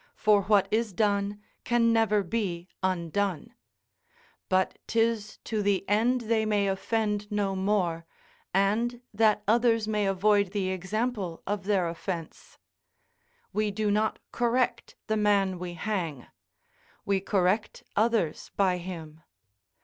] for what is done can never be undone; but 'tis to the end they may offend no more, and that others may avoid the example of their offence: we do not correct the man we hang; we correct others by him.